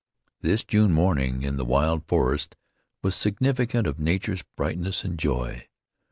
This June morning in the wild forest was significant of nature's brightness and joy.